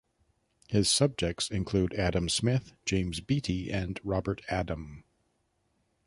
His subjects include Adam Smith, James Beattie and Robert Adam.